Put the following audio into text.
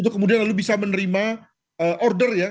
kemudian lalu bisa menerima order ya